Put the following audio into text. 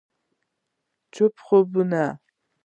چپه خوبونه …